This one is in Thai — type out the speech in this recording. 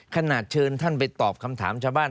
เชิญท่านไปตอบคำถามชาวบ้าน